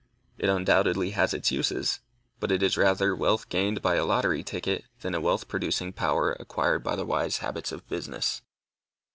It undoubtedly has its uses. But it is rather wealth gained by a lottery ticket than a wealth producing power acquired by wise habits of business.